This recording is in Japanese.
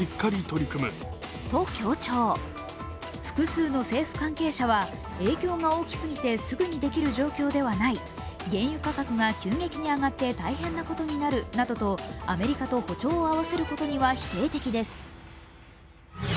複数の政府関係者は影響が大きすぎてすぐにできる状況ではない、原油価格が急激に上がって大変なことになるなどとアメリカと歩調を合わせることには否定的です。